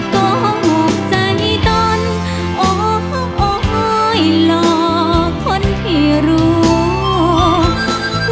ก็หกใจตอนโอ้ยหลอกคนที่รู้